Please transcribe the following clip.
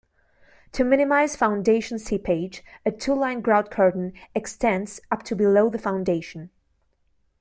To minimize foundation seepage, a two-line grout curtain extends up to below the foundation.